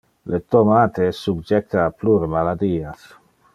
Le tomate es subjecte a plure maladias.